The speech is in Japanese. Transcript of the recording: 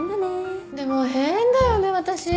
でも変だよね私。